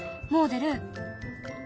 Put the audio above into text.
もおでる。